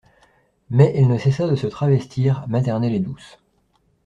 Mais elle ne cessa de se travestir, maternelle et douce.